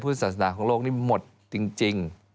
ศาสนาของโลกนี้หมดจริง